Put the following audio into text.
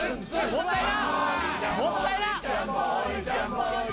もったいな！